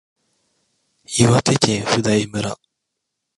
岩手県普代村